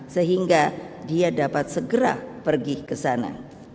sehingga dia dapat segera pergi ke sana